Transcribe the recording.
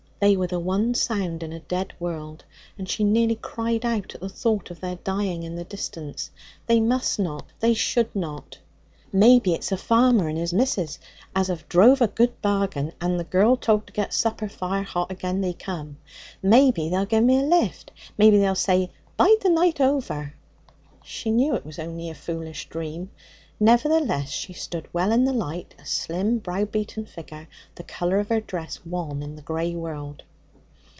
They were the one sound in a dead world, and she nearly cried out at the thought of their dying in the distance. They must not; they should not. 'Maybe it's a farmer and his missus as have drove a good bargain, and the girl told to get supper fire hot agen they come. Maybe they'll give me a lift! Maybe they'll say "Bide the night over?"' She knew it was only a foolish dream; nevertheless, she stood well in the light, a slim, brow beaten figure, the colour of her dress wan in the grey world.